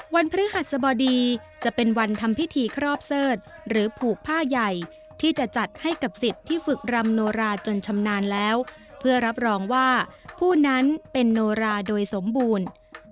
พฤหัสบดีจะเป็นวันทำพิธีครอบเสิร์ธหรือผูกผ้าใหญ่ที่จะจัดให้กับสิทธิ์ที่ฝึกรำโนราจนชำนาญแล้วเพื่อรับรองว่าผู้นั้นเป็นโนราโดยสมบูรณ์